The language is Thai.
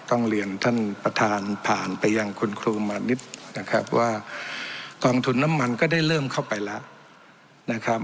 ต้องเรียนท่านประธานผ่านไปยังคุณครูมานิดนะครับว่ากองทุนน้ำมันก็ได้เริ่มเข้าไปแล้วนะครับ